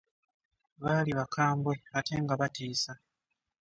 Baali bakambwe ate nga batiisa.